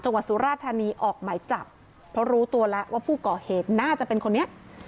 สุราธานีออกหมายจับเพราะรู้ตัวแล้วว่าผู้ก่อเหตุน่าจะเป็นคนนี้